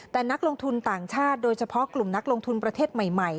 แต่นักลงทุนต่างชาติโดยเฉพาะกลุ่มนักลงทุนประเทศใหม่